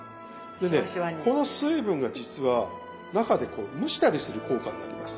でねこの水分が実は中でこう蒸したりする効果になります。